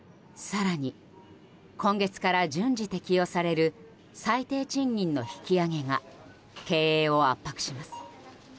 更に、今月から順次適用される最低賃金の引き上げが経営を圧迫します。